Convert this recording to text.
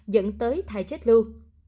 dẫn tới thai chết lưu